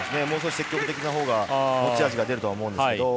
積極的なほうが持ち味が出ると思うんですけど。